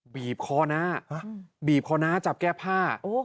บีบข้อน้าบีบข้อน้าจับแก้ผ้าโอ้